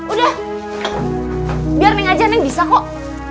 udah biar neng aja neng bisa kok